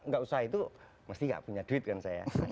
itu nggak usah itu pasti nggak punya duit kan saya